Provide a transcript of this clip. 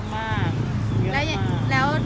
มันเยอะมาก